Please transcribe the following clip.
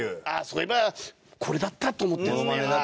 「そういえばこれだった」と思ってですね。